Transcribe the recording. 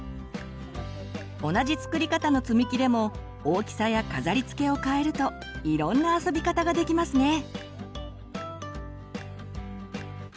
同じ作り方のつみきでも大きさや飾りつけをかえるといろんな遊び方ができますね！